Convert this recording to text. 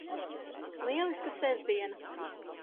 Lieliska sestdiena!